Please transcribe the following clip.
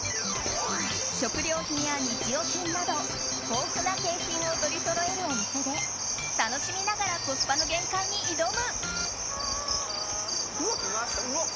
食料品や日用品など豊富な景品を取りそろえるお店で楽しみながらコスパの限界に挑む。